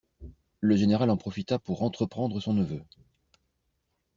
Le général en profita pour entreprendre son neveu.